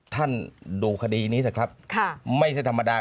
ท่านดูคดีนี้เถอะครับไม่ใช่ธรรมดา